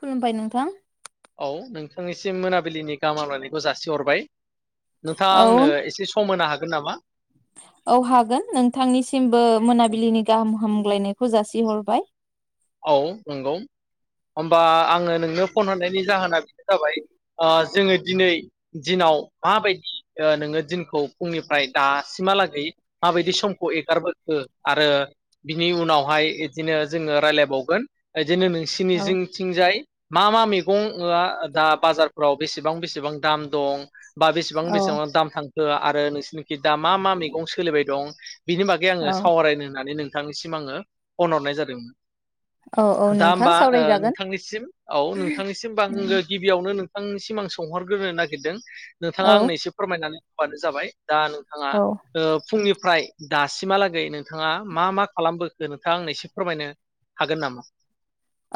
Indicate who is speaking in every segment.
Speaker 1: खुलुमबाय नोंथां
Speaker 2: औ नोंथांनिसिम मोनाबिलिनि गाहामहामलायनायखौ जासिहरबाय। नोंथाङा
Speaker 1: औ
Speaker 2: आंनो एसे सम होनो हागोन होनाबा
Speaker 1: औ हागोन नोंथांनिसिमबो मोनाबिलिनि गाहाम हा हामग्लायनायखौ जासिहरबाय
Speaker 2: औ नंगौ होमबा आङो नोंनो फन हरनायनि जाहोना बेनो जाबाय ओ जोङो दिनै दिनाव माबायदि नोङो दिनखौ फुंनिफ्राय दासिमहालागै माबायदि समखौ एगारबोखो आरो बिनि उनावहाय इदिनो जोङो राय्लायबाय बावगोन जेननो नोंसिनि
Speaker 1: औ
Speaker 2: थिंजाय मा मा मैगंआ दा बाजारफ्राव बेसेबां बेसेबां दाम दं बा बेसेबां
Speaker 1: औ
Speaker 2: बेसेबां दाम थांखो आरो नोंसोरनिखै दा मा मा मैगं सोलिबाय दं बिनि बागै आङो
Speaker 1: औ
Speaker 2: सावरायनो होननानै नों बिथांनिसिम आङो फन हरनाय जादोंमोन।
Speaker 1: औ औ
Speaker 2: दा
Speaker 1: नोंथां
Speaker 2: होमबा
Speaker 1: सावरायजागोन
Speaker 2: नोंथांनिसिम औ नोंथांनिसिम होमबा आंङो गिबियावनो थांनिसिम आं सोंहरग्रोनो नागिरदों नोंथाङा
Speaker 1: औ
Speaker 2: आंनो एसे फोरमायनानै होबानो जाबाय दा नोंथाङा ओ फुंनि फ्राय दासिमहालागै नोंथाङा मा मा खालामबोखो नोंथा आंनो एसे फोरमायनो हागोन नामा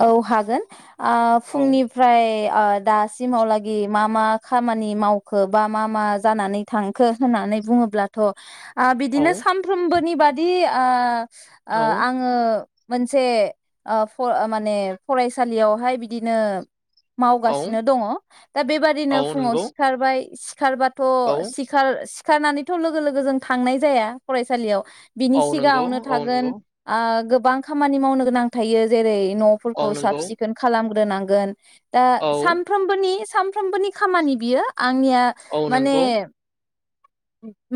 Speaker 1: औ हागोन ओ
Speaker 2: औ
Speaker 1: फुंनिफ्राय दासिमावलागि मा मा खामानि मावखो बा मा मा जानानै थांखो होननानै बुङोब्लाथ आ
Speaker 2: औ
Speaker 1: बिदिनो सानफ्रोमबोनि बादि आ ओ ओ
Speaker 2: औ
Speaker 1: आङो मोनसे ओ फर माने माने फरायसालियावहाय बिदिनो
Speaker 2: औ
Speaker 1: मावगासिनो दङ दा बेबादिनो
Speaker 2: औ
Speaker 1: फुङाव
Speaker 2: नंगौ
Speaker 1: सिखारबाय सिखारबाद थ
Speaker 2: औ
Speaker 1: सिखार सिक सिखारनानैथ लोगो लोगो जों थांनाय जाया फरायसालियाव बिनि
Speaker 2: औ नंगौ
Speaker 1: सिगाङावनो
Speaker 2: औ
Speaker 1: थागोन
Speaker 2: नंगौ
Speaker 1: गोबां खामानि मावनो गोनां थायो जेरै न
Speaker 2: औ
Speaker 1: फोरखौ साब
Speaker 2: नंगौ
Speaker 1: सिखोन खालाम ग्रोनांगोन दा
Speaker 2: औ
Speaker 1: सामफ्रोमबोनि सानफ्रोमबोनि खामानि बियो आंनिया
Speaker 2: औ
Speaker 1: माने
Speaker 2: नंगौ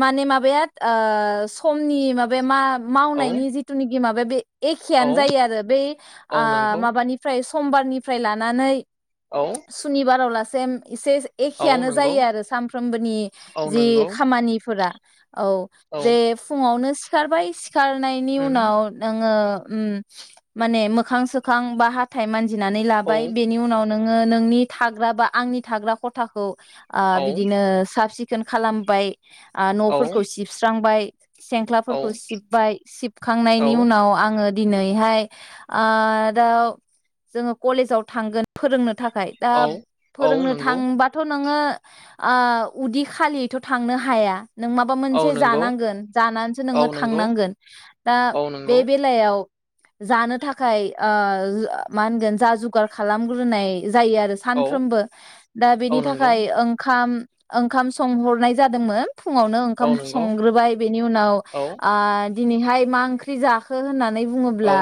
Speaker 1: माने माबाया ओ समनि माबाया मा
Speaker 2: औ
Speaker 1: मावनायनि जिथुनि माबा बे
Speaker 2: औ
Speaker 1: एखेयानो जायो आरो बै
Speaker 2: औ नंगौ
Speaker 1: आ। निफ्राय समबारनिफ्राय लानानै
Speaker 2: औ
Speaker 1: सुनिबाराव लास सेम इसे
Speaker 2: औ
Speaker 1: एखेआनो
Speaker 2: नंगौ
Speaker 1: जायो आरो सामफ्रोमबोनि
Speaker 2: औ
Speaker 1: जि
Speaker 2: नंगौ
Speaker 1: खामानिफोरा औ
Speaker 2: औ
Speaker 1: जे फुङावनो सि सिखारबाय सि खारनायनि
Speaker 2: उम
Speaker 1: उनाव नोङो उम माने मोखां सो खां बा हाथाइ मान जिनानै लाबाय बेनि उनाव नोङो नोंनि थाग्रा बा आंनि थाग्रा ख'थाखौ ओ
Speaker 2: औ
Speaker 1: बिदिनो साब-सिखोन सिखोन खालामबाय ओ
Speaker 2: औ
Speaker 1: न'फोरखौ सिबस्रांबाय
Speaker 2: औ
Speaker 1: सेंख्लाफोरखौ सिबबाय सिबखांनायनि
Speaker 2: औ
Speaker 1: उनाव आङो दिनैहाय ओ आव जोङो कलेजाव थांगोन फोरोंनो थाखाय दा
Speaker 2: औ औ
Speaker 1: फोरोंनो
Speaker 2: नंगौ
Speaker 1: थांबाथ नोङो ओ उदै खालियैथ थांनो हाया नों माबा
Speaker 2: औ
Speaker 1: मोनसे
Speaker 2: नंगौ
Speaker 1: जानांगोन जानानैसो
Speaker 2: औ
Speaker 1: नोङो
Speaker 2: नंगौ
Speaker 1: थांनांगोन दा
Speaker 2: औ नंगौ
Speaker 1: बे बेलायाव जानो थाखाय ओ जा-मा होनगोन जा जुगार खालामग्रोनाय जायो आरो
Speaker 2: औ
Speaker 1: सानफ्रोमबो दा बेनि
Speaker 2: औ नंगौ
Speaker 1: थाखाय ओंखाम ओंखाम संहरनाय जादोंमोन फुङावनो
Speaker 2: औ
Speaker 1: ओंखाम
Speaker 2: नंगौ
Speaker 1: संग्रोबाय बेनि उनाव
Speaker 2: औ
Speaker 1: ओ दिनैहाय मा ओंख्रि जाखो होनना [unintelligible]
Speaker 2: औ
Speaker 1: बुङोब्ला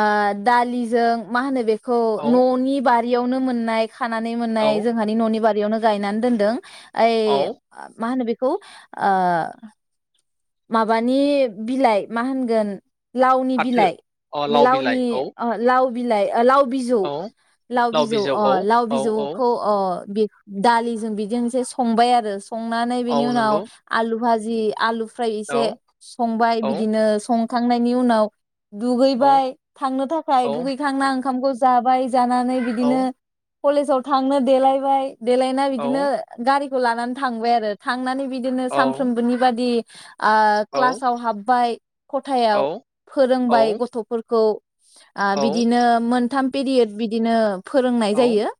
Speaker 1: ओ दालिजों मा होनो बे खौ
Speaker 2: औ
Speaker 1: न'नि बियावनो मोननाय खानानै
Speaker 2: औ
Speaker 1: मोननाय जोंहानि ननि बा बियावनो गायनानै दोनदों
Speaker 2: औ
Speaker 1: आय माहोनो बे खौ ओ माबानि बिलाइ मा होनगोन लावनि
Speaker 2: फाथो
Speaker 1: बिलाइ
Speaker 2: अ लाव बिलाइ
Speaker 1: लावनि
Speaker 2: औ
Speaker 1: ओ लाव बिलाय ओ लाव बिजौ
Speaker 2: औ
Speaker 1: लाव बिजौ
Speaker 2: औ
Speaker 1: अ लाव
Speaker 2: औ औ
Speaker 1: बिजौखौ अ बे दालिजों बिजों एसे संबाय आरो संनानै
Speaker 2: औ
Speaker 1: बिनि उनाव
Speaker 2: नंगौ
Speaker 1: आलु बाजि जि आलु ओमफ्राय
Speaker 2: औ
Speaker 1: इसे संबाय
Speaker 2: औ
Speaker 1: बिदिनो सं थांनायनि उनाव
Speaker 2: औ
Speaker 1: दुगैबाय थांनो थाखाय
Speaker 2: औ
Speaker 1: दुगैखांना ओंखामबो जाबाय जानानै
Speaker 2: औ
Speaker 1: बिदिनो कलेजाव थांनो देलायबाय। देलायना
Speaker 2: औ
Speaker 1: बिदिनो गारि लानानै थांबाय आरो थांनानै बिदिनो
Speaker 2: औ
Speaker 1: सानफ्रोमबोनि बादि [unintelligible] आ क्लासाव हाबबाय खथायाव
Speaker 2: औ
Speaker 1: फोरोंबाय गथफोरखौ। ओ
Speaker 2: औ
Speaker 1: बिदिनो मोनथाम पिरियद बिदिनो फोरोंनाय
Speaker 2: औ
Speaker 1: जायो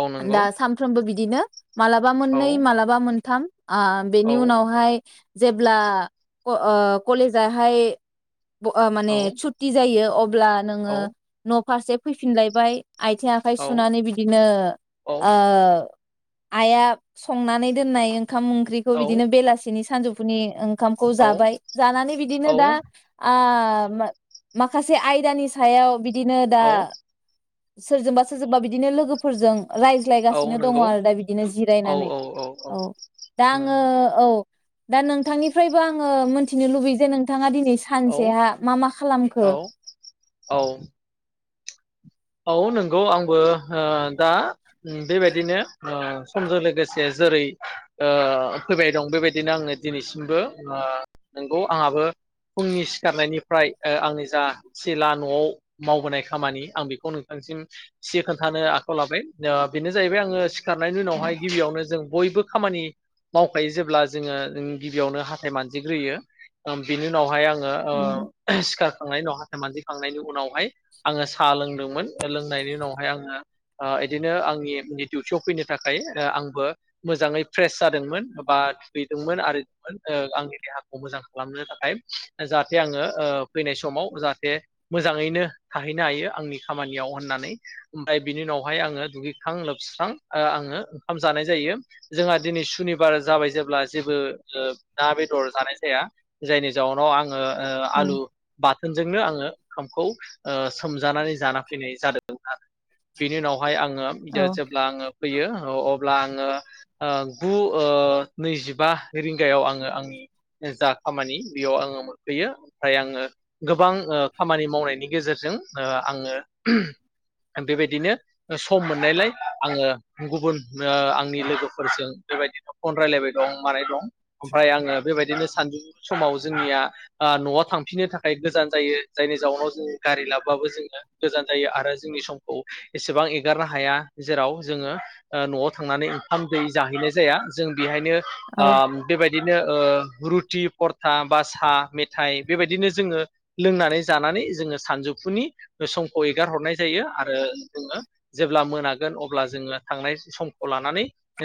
Speaker 2: औ नंगौ
Speaker 1: दा सानफ्रोमबो बिदि बिदिनो मालाबा
Speaker 2: औ
Speaker 1: मोननै मालाबा मोनथाम। ओ बेनि
Speaker 2: औ
Speaker 1: उनावहाय जेब्ला अ ओ कलेजाहाय ब ओ
Speaker 2: औ
Speaker 1: माने सुथथि जायो अब्ला
Speaker 2: औ
Speaker 1: नोङो न फारसे फैफिनलायबाय आयथिं आखाइ
Speaker 2: औ
Speaker 1: सुनानै बिदिनो
Speaker 2: औ
Speaker 1: ओ आइआ संनानै दोननाय ओं खाम ओंख्रि
Speaker 2: औ
Speaker 1: बिदिनो बेलासिनि सानजोब फुनि ओंखामखौ जाबाय जानानै बिदिनो दा आ आ मो माखासे आयदानि सायाव बि दिनो दा
Speaker 2: औ
Speaker 1: सोरजोंबा सोरजोंबा बिदिनो लोगोफोरजों
Speaker 2: औ
Speaker 1: रायज्लायगासिनो दङ
Speaker 2: नंगौ
Speaker 1: आरो दा बिदिनो जिरायनानै औ दा आङो
Speaker 2: उम
Speaker 1: औ दा नोंथांनिफ्रायबो आङो मोनथिनो लुबैयो जे नोंथाङा दिनै नोय
Speaker 2: औ
Speaker 1: सानसेहा मा मा खालामखो?
Speaker 2: औ औ औ नंगौ आंबो ओ दा बेबायदिनो ओ समजों लोगोसे जेरै-फैबाय दं बेबायदिनो आङो दिनैसिमबो ओ नंगौ आंहाबो फुंनि सिखारनायनिफ्राय ओ आंनि जा सिला नआव मावबोनाय खामानि आं बेखौ खौ नोंथांसिम सि खोन्थानो आखायाव लाबाय आ बेनो जाहैबाय आङो खारनायनि उनावहाय गिबियावनो जों बयबो खामानि मावखायो जेब्ला जोङो गिबियावनो हाथथाय मानजिग्रोयो बिनि उनावहाय आं ओ
Speaker 1: उम
Speaker 2: ओ सिखार खांनायनि उनाव हाथाय मानजि थांनायनि उनाव फाय आं साह लों दों मोन लों नायनि उनाव आङो इदिनो आंनि देवथियाव फैनो थाखाय आंबो मोजांयै फ्रेस जादोंमोन बा दुगैदोंमोन आरो आंनि देहाखौ मोजां खालामनो थाखाय जाहाथे आङो फैनाय समाव जाहाथे मोजाङैनो थाहैनो हायो आंनि खामानियाव होननानै ओमफ्राय बिनि उनावहाय आङो दुगैखां लोबस्रां आङो ओंखाम जानाय जायो जोंहा दिनै सुनिबार जाबाय जेब्ला जेबो ना बेदर जानाय जाया जायनि जाउनाव आं ओ ओ
Speaker 1: औ
Speaker 2: आलु बा होनजोंनो आङो ओंखामखौ सोमजानानै जाना फैनाय जादों आरो। बेनि उनाव हाय आङो बिदो
Speaker 1: औ
Speaker 2: जेब्ला आङो फैयो ओ अब्ला आङो ओ गु ओ नैजिबा रिंगायाव आङो आंनि जा खामानि बेयाव आङो मोनफैयो ओमफ्राय आङो गोबां ओ खामानि मावनायनि गेजेरजों आङो बेबायदिनो सम मोननायलाय आङो गुबुन ओ आंनि लोगोफोरजों बेबायदिनो फन रायलायबाय दं मानाय दं ओमफ्राय आङो बेबायदिनो सानजौ समाव जोंनिया नआव थांफिननो थाखाय गोजान जायो जायनि जाउनाव जों गारि लाबाबो जोङो गोजान जायो आरो जोंनि समखौ एसेबां एगारनो हाया जेराव जोङो ओ नआव थांनानै ओंखाम दै जाहैनाय जाया। जों बेहायनो
Speaker 1: औ
Speaker 2: ओ बेबायदिनो ओ रुथि, फरथा बा सा मेथाइ बे बायदिनो जोङो लोंनानै जानानै जोङो सानजौफुनि समखौ एगार हरनाय जायो आरो जोङो जेब्ला मोनागोन अब्ला जोङो थांनाय समखौ लानानै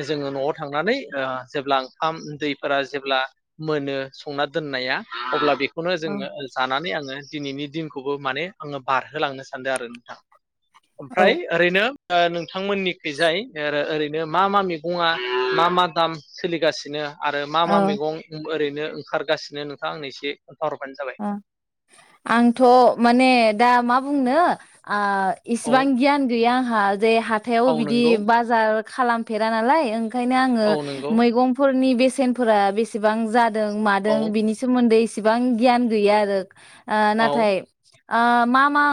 Speaker 2: जोङो नआव थांनानै ओ जेब्ला ओंखाम दैफोरा जेब्ला मोनो संना दोननाया अब्ला बेख खौनो जोङो जानानै आङो दिनैनि दिनखौबो माने आङो बारहोलांनो सानदों आरो थां ओमफ्राय
Speaker 1: औ
Speaker 2: ओरैनो नोंथांमोननिखैजाय ओ बिनो मा मा मैगङा मा मा दाम सोलिगासिनो? आरो मा मा
Speaker 1: औ
Speaker 2: मैगं ओरैनो ओंखारगासिनो नोंथां आंनो इसे
Speaker 1: ओ आंथ' माने दा मा बुंनो ओ
Speaker 2: औ
Speaker 1: इसिबां गियान गैया हा जे हाथायाव
Speaker 2: औ
Speaker 1: बिदि
Speaker 2: नंगौ
Speaker 1: बाजार खालामफेरा नालाय ओं ओंखायनो आङो
Speaker 2: औ नंगौ
Speaker 1: मैगंफोरनि बे सेनफोरा बेसेबां जाद दों
Speaker 2: औ
Speaker 1: मादों बिनि सोमोन्दै एसेबां गियान गैया आरो ओ
Speaker 2: औ
Speaker 1: नाथाय ओ मा मा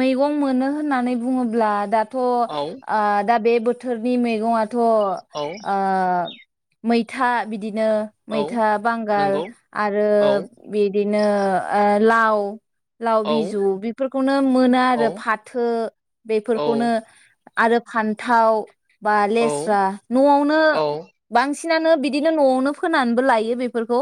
Speaker 1: मैगं मोनो होननानै बुङोब्ला दा थ
Speaker 2: औ
Speaker 1: ओ दा बे बोथोरनि मैगंआ थ
Speaker 2: औ
Speaker 1: ओ मैथा बिदि बिदिनो
Speaker 2: औ
Speaker 1: मैथा बांगाल
Speaker 2: नंगौ
Speaker 1: आरो
Speaker 2: औ
Speaker 1: बिदिनो बिनो ओ लाव लाव
Speaker 2: औ
Speaker 1: बिजु बेफोरखौनो मोनो
Speaker 2: औ
Speaker 1: आरो फाथो बेफोरखौनो
Speaker 2: औ
Speaker 1: आरो फान्थाव बा
Speaker 2: औ
Speaker 1: लेस्रा नआवनो
Speaker 2: औ
Speaker 1: बांसिनानो बि बिदिनो नआवनो फोनानैबो लायो बेफोरखौ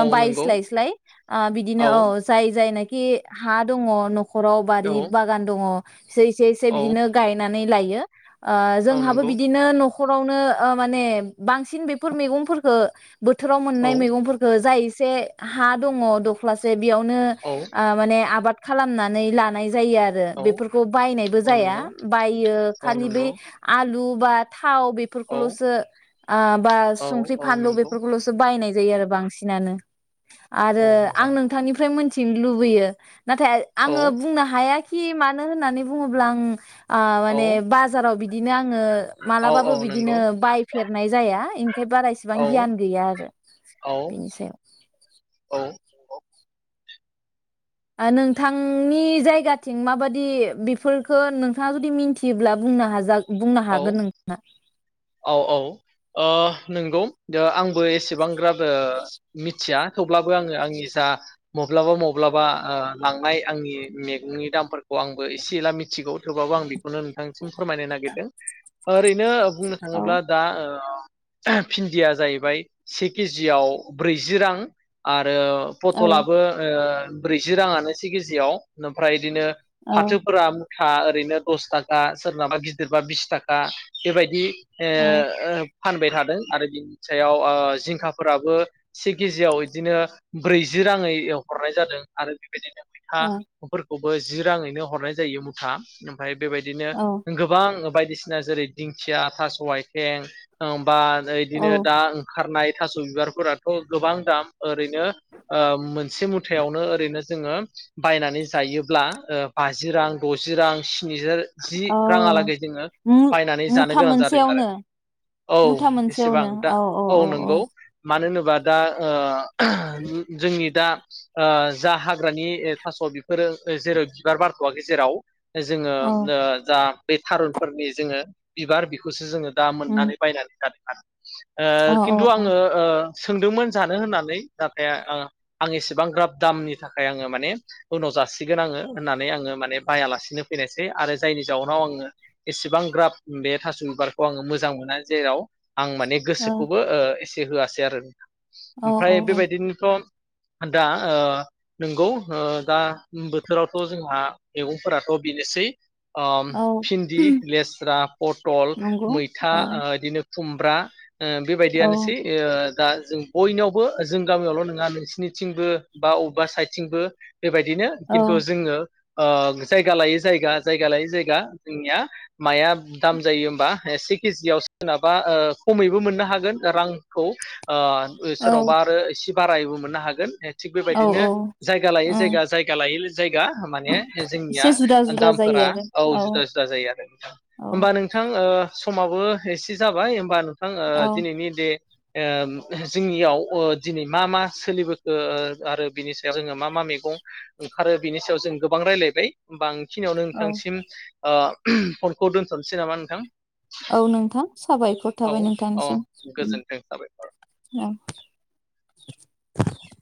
Speaker 2: औ नंगौ
Speaker 1: बायसालाय सालाय ओ बिदिनो औ जाय जायनाखि खि हा दङ' न ' न'खराव बारि
Speaker 2: औ
Speaker 1: बागान दङ' एसे इसे इसे
Speaker 2: औ
Speaker 1: बिदिनो गायनानै नै लायो। ओ
Speaker 2: औ
Speaker 1: जोंहाबो
Speaker 2: नंगौ
Speaker 1: बिदिनो न'ख न'खरावनो ओ माने बांसिन बेफोर मैगंफोरखो बोथोराव
Speaker 2: औ
Speaker 1: मोननाय मैगंफोरखो जाय एसे हा दंङ दख्लासे बेयावनो
Speaker 2: औ
Speaker 1: ओ माने आबाद खालामनानै लानाय जायो आरो
Speaker 2: औ
Speaker 1: बेफोरखौ बायनाय बो
Speaker 2: औ
Speaker 1: जाया
Speaker 2: नंगौ
Speaker 1: बायो
Speaker 2: औ
Speaker 1: खालि बै
Speaker 2: नंगौ
Speaker 1: आलु बा थाव
Speaker 2: औ
Speaker 1: बेफोरखौलसो ओ बा
Speaker 2: औ
Speaker 1: सुंख्रि
Speaker 2: औ
Speaker 1: फानलु
Speaker 2: नंगौ
Speaker 1: बेफोरखौलसो बायनाय जायो आरो बांसिनानो।
Speaker 2: औ
Speaker 1: आरो आं
Speaker 2: मोजां
Speaker 1: नोंथांनिफ्राय मोन थिनो लुबैयो नाथाय
Speaker 2: औ
Speaker 1: आंङो बुंनो हाया खि मानो होननानै बुङोब्ला आं आ
Speaker 2: औ
Speaker 1: माने बाजाराव बि बिदिनो आं आंङो
Speaker 2: औ औ
Speaker 1: मालाबाबो बिदिनो
Speaker 2: नंगौ
Speaker 1: बायफेरनाय जाया इंखाय बारा इसेबां
Speaker 2: औ
Speaker 1: गियान गैया आरो
Speaker 2: औ
Speaker 1: बिनि सायाव।
Speaker 2: औ
Speaker 1: ओ नोंथांनि जायगाथिं माबादि बेफोरखो नोंथाङा जुदि मिथियोब्ला बुंनो हाजा बुंनो
Speaker 2: औ
Speaker 1: हागोन नों
Speaker 2: औ औ ओ नंगौ दा आं बो एसेबां ग्राबो मिथिया खौ अब्लाबो आंङो आंनि जा मब्लाबा मब्लाबा ओ लांनाय आंनि मेगंनि दामफोरखौ आंबो एसे एला मिथिगौ थेवबाबो आं बेखौनो नोंथांनिसिम फोरमायनो नागिरदों। ओरैनो बुंनो थांङोब्ला दा ओ ओ भिन्दिया जाहैबाय से केजियाव ब्रैजि रां आ आरो
Speaker 1: औ-औ-औ-औ-औ-औ
Speaker 2: फटलाबो ओ ब्रैजि रांङानो से केजियाव ओमफ्राय इदिनो फाथोफोरा मु था ओरैनो दस थाखा सोरनाबा गिदिरबा बिस थागा बेबायदि ओ
Speaker 1: औ
Speaker 2: ओ फानबाय थादों आरो बि नि सायाव ओ जिंखाफोराबो से केजियाव इदिनो ब्रैजि रांङै हरनाय जादों आरो बिदिनो मैथा
Speaker 1: औ
Speaker 2: बो जि राङैनो हरनाय जायो मुथा ओमफ्राय बेबायदिनो
Speaker 1: औ
Speaker 2: गोबां बायदि जेरै दिंखिया थास आथें बा
Speaker 1: औ
Speaker 2: बिदिनो दा ओंखारनाय थास बिबारफोराथ गोबां दाम ओरैनो मोनसे मुथायावनो ओरैनो जोङो बायनानै जायोब्ला बाजि रां दजि रां स्निजा जि
Speaker 1: औ।
Speaker 2: राङालागै जोङो बायनानै जानो
Speaker 1: मु-मुथा
Speaker 2: गोनां जादों आरो
Speaker 1: मोनसेयावनो
Speaker 2: औ
Speaker 1: मुथा
Speaker 2: एसेबां
Speaker 1: मोनसेयावनो
Speaker 2: दा औ
Speaker 1: औ-औ-औ-औ
Speaker 2: नंगौ मानो होनोला बादा आ- जोंनि दा जा हाग्रानि थास बेफोरो जेराव बिबार बारथवाखै जेराव जोङो ओ जा बे थारुनफोरनि जोङो बिबार बिखौसो जोङो जा
Speaker 1: उम
Speaker 2: मोननानै बायनानै जादों आ, ओ खिन्थु आङो ओ सोंदोंमोन जानो होननानै नाथाय आं एसेबां ग्राब दामनि थाखाय आङो माने उनाव जासिगोन आङो होननानै आङो माने बायालासिनो फैनायसै आरो जायनि जाउनाव आङो एसेबां ग्राफ बे थास बिबारखौ आङो मोजां मोना जेराव आं माने गोसोखौबो
Speaker 1: औ-औ-औ-औ-औ-औ
Speaker 2: ओ एसे होआसै आरो ओमफ्राय बेबायदिनोथ' दा ओ नंगौ ओ दा बोथोरावथ जोंहा मैगंफोराथ बेनोसै आ भिन्दि लेस पथल,
Speaker 1: नंगौ
Speaker 2: मैथा बिदिनो खुमब्रा, ओ बेबायदियानोसै ओ दा जों बयनयावबो जों गामियावल नङा नोंसिनिथिंबो बा बबेबा साइदथिंबो बेबायदिनो खिन्थु
Speaker 1: औ-औ-औ-औ-औ-औ
Speaker 2: जोङो ओ जायगा लायै जायगा जायगा लायै जायगा जोंनिया माया दाम जायो होमबा से केजियाव सोरनाबा ओ खमैबो मोननो हागोन रांखौ ओ सोरनावबा आरो एसे बारायबो मोननो हागोन थिग बेबायदिनो जायगा लायै जायगा जायगा लायै जायगा माने जोंनिया
Speaker 1: एसे जुदा जुदा
Speaker 2: दामफोरा
Speaker 1: जायो
Speaker 2: औ
Speaker 1: आरो
Speaker 2: जुदा जुदा जायो आरो होमबा नोंथां ओ समाबो एसे जाबाय होमबा आं ओ
Speaker 1: औ-औ-औ-औ
Speaker 2: दिनैनि दे ओ जोंनियाव ओ दिनै मा मा सोलिबोखो ओ आरो बिनि सायाव जोङो मा मा मैगं ओंखारो बिनि सायाव जों गोबां रायलायबाय होमबा आं बे खिनियावनो नोंथांसिम ओ [unintelligible] फ खौ दोनथसै नामा नोंथां?
Speaker 1: औ नोंथां साबायखर
Speaker 2: औ
Speaker 1: थाबाय
Speaker 2: औ
Speaker 1: नोंथांनिसिम
Speaker 2: गोजोनथों साबायखर
Speaker 1: ओम औ। [inaudible]